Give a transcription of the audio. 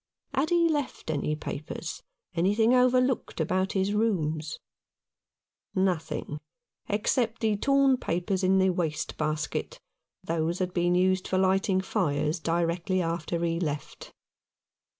Had he left any papers — anything overlooked about his rooms ? Nothing except the torn papers in the waste basket ; those had been used for lighting fires directly after he left.